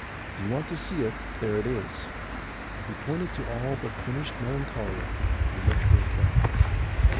If you want to see it, there it is." He pointed to the all but finished Melancolia and looked for applause.